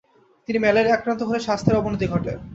তিনি ম্যালেরিয়ায় আক্রান্ত হলে স্বাস্থ্যের অবনতি ঘটে।